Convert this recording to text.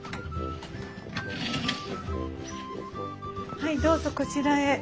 はいどうぞこちらへ。